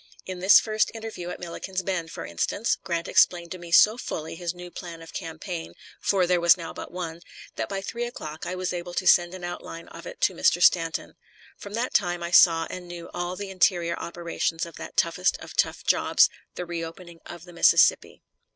In this first interview at Milliken's Bend, for instance, Grant explained to me so fully his new plan of campaign for there was now but one that by three o'clock I was able to send an outline of it to Mr. Stanton. From that time I saw and knew all the interior operations of that toughest of tough jobs, the reopening of the Mississippi.